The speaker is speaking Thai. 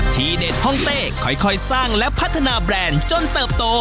ที่เด็ดห้องเต้ค่อยสร้างและพัฒนาแบรนด์จนเติบโต